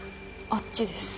あっちです。